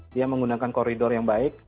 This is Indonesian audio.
dia menggunakan koridor yang baik